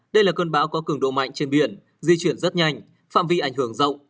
đây là cơn bão có cường độ mạnh trên biển di chuyển rất nhanh phạm vi ảnh hưởng rộng